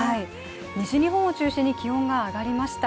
西日本を中心に気温が上がりました。